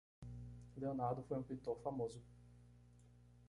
Leonardo foi um pintor famoso.